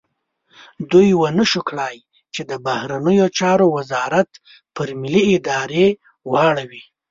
دوی ونه شو کړای چې د بهرنیو چارو وزارت پر ملي ارادې واړوي.